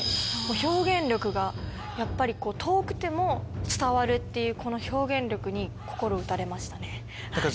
表現力がやっぱり遠くても伝わるっていうこの表現力に。